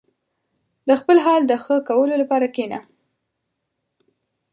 • د خپل حال د ښه کولو لپاره کښېنه.